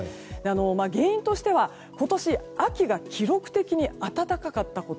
原因としては、今年秋が記録的に暖かかったこと。